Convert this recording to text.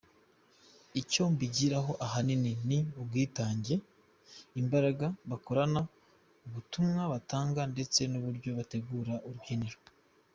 Icyo mbigiraho ahanini ni ubwitange, imbaraga bakorana, ubutumwa batanga ndetse n’uburyo bategura urubyiniro.